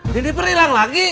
jennifer ilang lagi